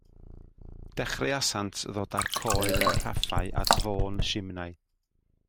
Dechreuasant ddod a'r coed a'r rhaffau at fôn y simnai.